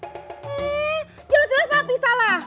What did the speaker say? eh jelas jelas papi salah